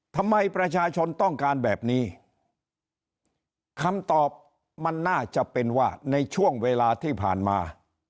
ทำไมประชาชนต้องการแบบนี้คำตอบมันน่าจะเป็นว่าในช่วงเวลาที่ผ่านมา